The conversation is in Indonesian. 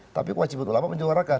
tapi kewajiban ulama menyuarakan